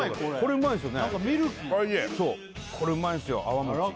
これもうまいっすよね